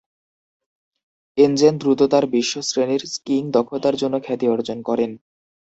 এনজেন দ্রুত তার বিশ্ব শ্রেণীর স্কিইং দক্ষতার জন্য খ্যাতি অর্জন করেন।